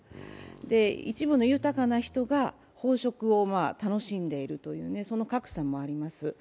一部の豊かな人が飽食を楽しんでいるという、その格差もあります。